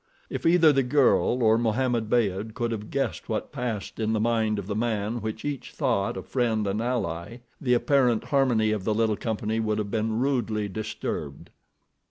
If either the girl or Mohammed Beyd could have guessed what passed in the mind of the man which each thought a friend and ally, the apparent harmony of the little company would have been rudely disturbed.